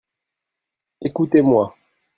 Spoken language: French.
Écoutez-moi.